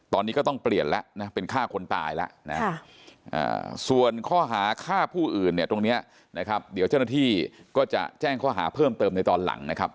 ตอนนี้ก็ต้องเปลี่ยนแล้วนะเป็นฆ่าคนตายแล้วนะส่วนข้อหาฆ่าผู้อื่นเนี่ยตรงนี้นะครับเดี๋ยวเจ้าหน้าที่ก็จะแจ้งข้อหาเพิ่มเติมในตอนหลังนะครับ